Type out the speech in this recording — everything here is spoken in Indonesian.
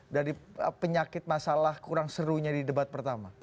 dari penyakit masalah kurang serunya di debat pertama